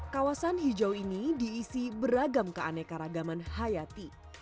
kawasan hijau ini diisi beragam keanekaragaman hayati